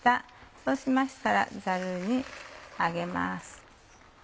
そうしましたらザルに上げます。